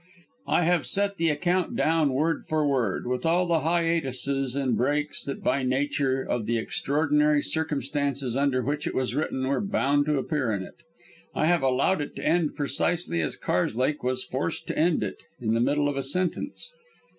I have set the account down word for word, with all the hiatuses and breaks that by nature of the extraordinary circumstances under which it was written were bound to appear in it. I have allowed it to end precisely as Karslake was forced to end it, in the middle of a sentence.